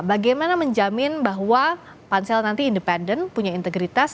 bagaimana menjamin bahwa pansel nanti independen punya integritas